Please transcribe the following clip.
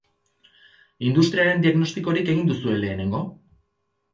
Industriaren diagnostikorik egin duzue lehenengo?